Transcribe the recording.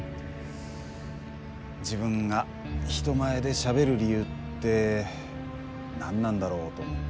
自分が人前でしゃべる理由って何なんだろうと思って。